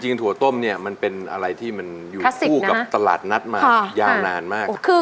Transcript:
จริงถั่วต้มเนี่ยมันเป็นอะไรที่มันอยู่ขู่กับตลาดนัดมาเยาวนานมากคอคลาสสิคนะค่ะ